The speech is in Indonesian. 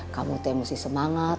kamu tuh yang mesti semangat